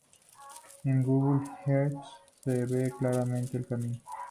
En Google Earth se ve claramente el camino.